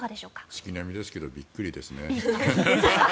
月並みですけどびっくりですね。